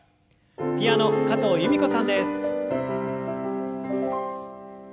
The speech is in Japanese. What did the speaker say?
ピアノ加藤由美子さんです。